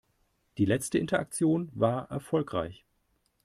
Die letzte Interaktion war erfolgreich.